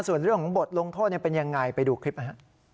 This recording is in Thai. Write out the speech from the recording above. ส่วนเรื่องของบทลงโทษเป็นยังไงไปดูคลิปนะฮะ